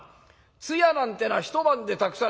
通夜なんてのは１晩でたくさん」。